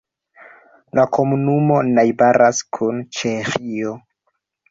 La komunumo najbaras kun Ĉeĥio.